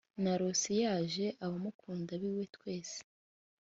Narose yaje abamukunda b’iwe twese